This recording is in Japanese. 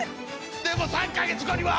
でも３か月後には！